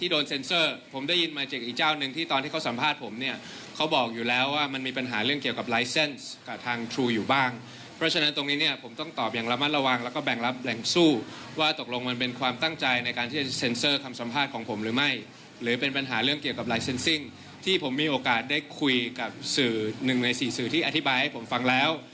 ได้คุยกับสื่อหนึ่งในสี่สื่อที่อธิบายให้ผมฟังแล้ว